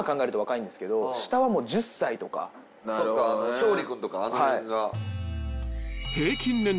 勝利君とかあの辺が。